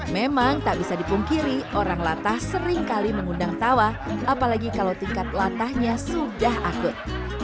memang tak bisa dipungkiri orang latah seringkali mengundang tawa apalagi kalau tingkat latahnya sudah akut